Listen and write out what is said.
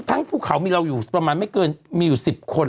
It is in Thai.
ทั้งผู้เขามีเรามีประมาณไม่เกินตัว๑๐คน